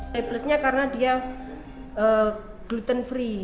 plusnya karena dia gluten free